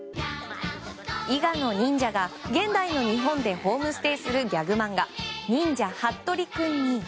伊賀の忍者が現代の日本でホームステイするギャグマンガ「忍者ハットリくん」に。